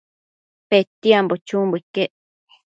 Petiambo chumbo iquec